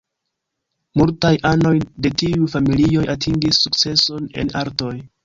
Multaj anoj de tiuj familioj atingis sukceson en artoj.